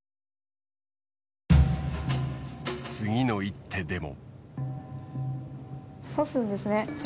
次の一手でも。